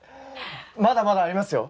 まだまだありますよ。